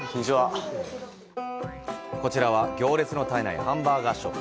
こちらは、行列の絶えないハンバーガーショップ。